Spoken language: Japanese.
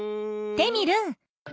テミルン。